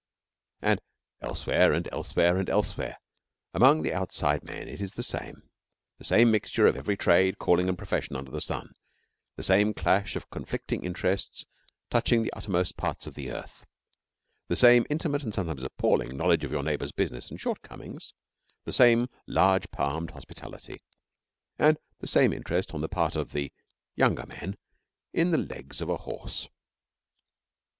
And elsewhere, and elsewhere, and elsewhere among the Outside Men it is the same the same mixture of every trade, calling, and profession under the sun; the same clash of conflicting interests touching the uttermost parts of the earth; the same intimate, and sometimes appalling knowledge of your neighbour's business and shortcomings; the same large palmed hospitality, and the same interest on the part of the younger men in the legs of a horse.